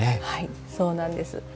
はいそうなんです。